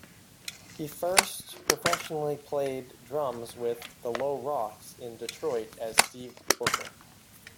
He first professionally played drums with "The Low Rocks" in Detroit as Steve Booker.